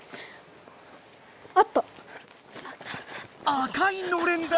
赤いのれんだ！